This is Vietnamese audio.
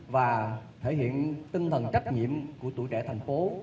và thể hiện tinh thần trách nhiệm của tuổi trẻ thành phố